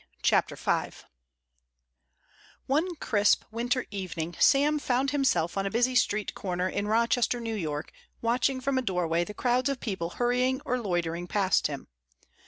CHAPTER V One crisp winter evening Sam found himself on a busy street corner in Rochester, N.Y., watching from a doorway the crowds of people hurrying or loitering past him.